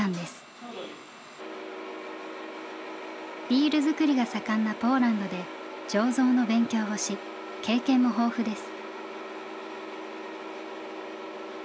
ビール造りが盛んなポーランドで醸造の勉強をし経験も豊富です。